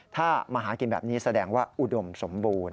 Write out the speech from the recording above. ถ้ามาหากินแบบนี้แสดงว่าอุดมสมบูรณ